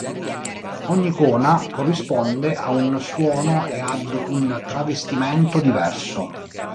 Ogni icona corrisponde a un suono e ad un travestimento diverso.